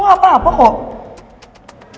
cuma gue aneh aja kok bisa